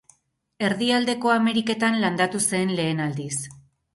Erdialdeko Ameriketan landatu zen lehen aldiz.